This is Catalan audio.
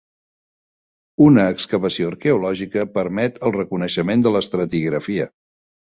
Una excavació arqueològica permet el reconeixement de l'estratigrafia.